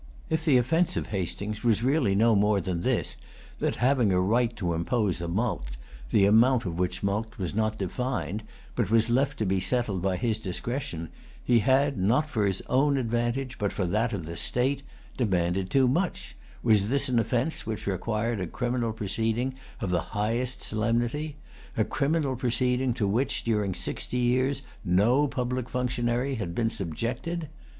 If the offence of Hastings was really no more than this, that, having a right to impose a mulct, the amount of which mulct was not defined, but was left to be settled by his discretion, he had, not for his own advantage, but for that of the state, demanded too much, was this an offence which required a criminal proceeding of the highest solemnity,—a criminal proceeding to which, during sixty years, no public functionary had been subjected?